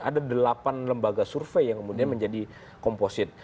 ada delapan lembaga survei yang kemudian menjadi komposit